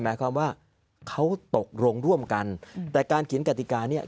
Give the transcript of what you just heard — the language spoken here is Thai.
หมายความว่าเขาตกลงร่วมกันแต่การเขียนกติกาเนี่ย